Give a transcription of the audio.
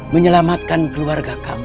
menyelamatkan keluarga kamu